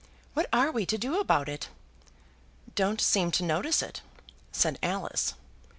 What are we to do about it?" "Don't seem to notice it," said Alice.